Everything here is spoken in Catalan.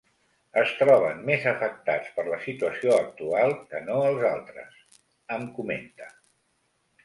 “Es troben més afectats per la situació actual que no els altres”, em comenta.